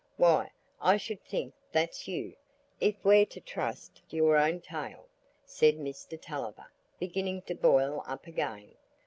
"Why, I should think that's you, if we're to trust your own tale," said Mr Tulliver, beginning to boil up again.